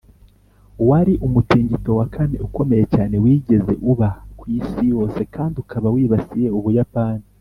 wari umutingito wa kane ukomeye cyane wigeze uba ku isi yose kandi ukaba wibasiye ubuyapani.